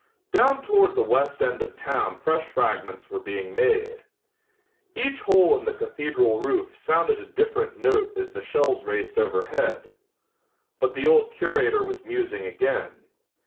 Down toward the west end of town fresh fragments were being made. Each hole in the cathedral roof sounded a different note as the shells raced overhead. But the old curator was musing again.